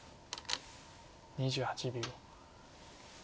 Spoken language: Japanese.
２８秒。